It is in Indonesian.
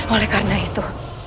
oleh karena itu